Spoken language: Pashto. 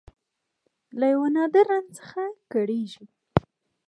له یو نادر رنځ څخه کړېږي